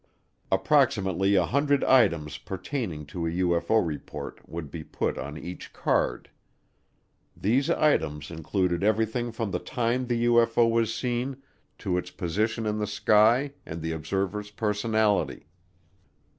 Approximately a hundred items pertaining to a UFO report would be put on each card. These items included everything from the time the UFO was seen to its position in the sky and the observer's personality.